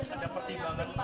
ada pertimbangan kenapa